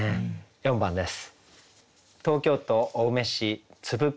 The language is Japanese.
４番です。